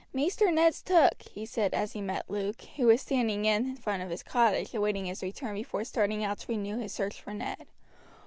"Maister Ned's took," he said as he met Luke, who was standing in front of his cottage awaiting his return before starting out to renew his search for Ned.